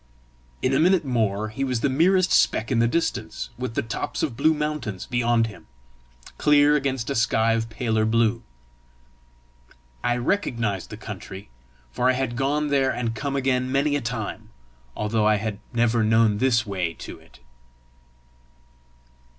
In a minute more he was the merest speck in the distance, with the tops of blue mountains beyond him, clear against a sky of paler blue. I recognised the country, for I had gone there and come again many a time, although I had never known this way to it.